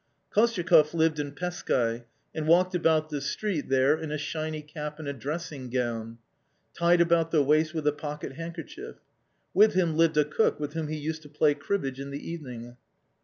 Kostyakoff lived in Peskae, and walked about the street there in a shiny cap and a dressing gown, tied round the waist with a pocket handkerchief. With him lived a cook with whom he used to play cribbage in the evening.